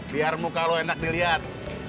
biar muka lo enak dilihat